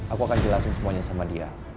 aku akan jelasin semuanya sama dia